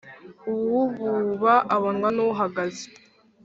Uwububa abonwa n’uhagaze.